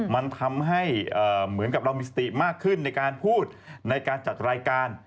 มันทำให้เหมือนกับเรามีสติมากขึ้นในการพูดในการจัดรายการ